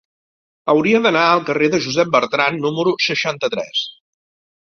Hauria d'anar al carrer de Josep Bertrand número seixanta-tres.